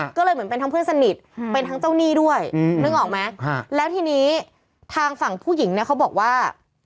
คือพ่อแม่เห็นคลิปเล่นกับเขา